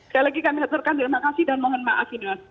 sekali lagi kami hantarkan terima kasih dan mohon maaf